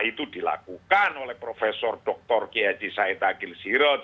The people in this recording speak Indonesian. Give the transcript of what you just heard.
itu dilakukan oleh prof dr kiai said tagil sirot